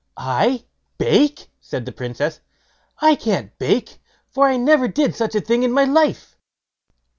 "I bake!" said the Princess; "I can't bake, for I never did such a thing in my life."